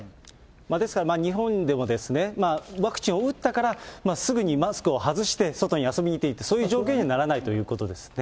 ですから、日本ではワクチンを打ったから、すぐにマスクを外して外に遊びに行っていいって、そういう状況にはならないということですね。